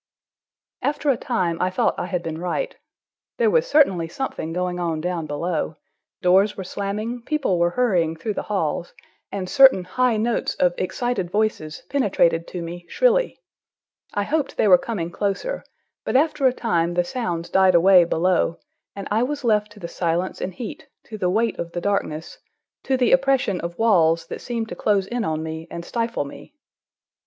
After a time I thought I had been right. There was certainly something going on down below; doors were slamming, people were hurrying through the halls, and certain high notes of excited voices penetrated to me shrilly. I hoped they were coming closer, but after a time the sounds died away below, and I was left to the silence and heat, to the weight of the darkness, to the oppression of walls that seemed to close in on me and stifle me.